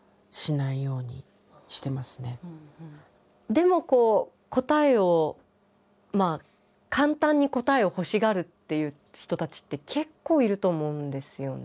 でも答えを簡単に答えを欲しがるっていう人たちって結構いると思うんですよね。